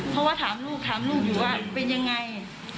เพราะว่าถามลูกถามลูกอยู่ว่าเป็นยังไง